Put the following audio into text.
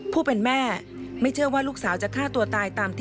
ผู้เป็นแม่ไม่เชื่อว่าลูกสาวจะฆ่าตัวตายตามที่